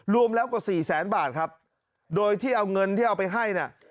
รวมแล้วกว่าสี่แสนบาทครับโดยที่เอาเงินที่เอาไปให้เนี่ย